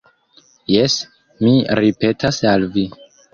Jes, mi ripetas al vi.